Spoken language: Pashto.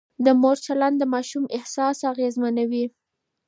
د مور چلند د ماشوم احساسات اغېزمنوي.